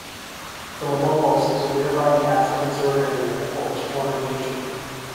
Filobobos is a nearby natural reserve area for exploring nature.